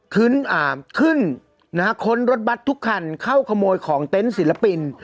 ขึ้นอ่าขึ้นนะฮะค้นรถบัตรทุกคันเข้าขโมยของเต็นต์ศิลปิน